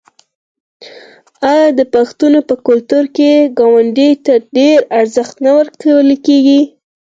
آیا د پښتنو په کلتور کې ګاونډي ته ډیر ارزښت نه ورکول کیږي؟